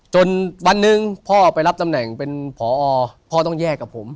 จนวันหนึ่งพ่อไปรับตำแหน่งเป็นผอพ่อต้องแยกกับผม